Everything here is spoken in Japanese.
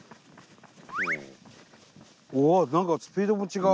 うわ何かスピードも違う。